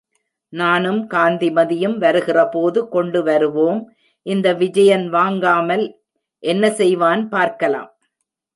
நானும் காந்திமதியும் வருகிறபோது கொண்டு வருவோம், இந்த விஜயன் வாங்காமல் என்ன செய்வான் பார்க்கலாம்.